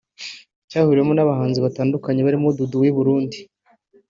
cyahuriwemo n’abahanzi batandukanye barimo Dudu w’i Burundi